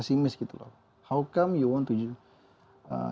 sudah pub hub kayak gitu ya